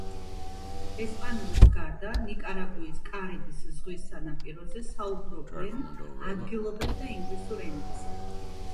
ესპანურის გარდა ნიკარაგუის კარიბის ზღვის სანაპიროზე საუბრობენ ადგილობრივ და ინგლისურ ენებზე.